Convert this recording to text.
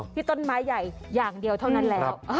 ที่ต้นไม้ใหญ่อย่างเดียวเท่านั้นแล้ว